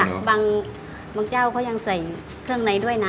บางเจ้าเขายังใส่เครื่องในด้วยนะ